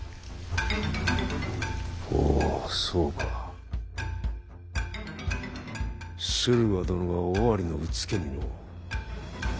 ほうそうか駿河殿が尾張のうつけにのう。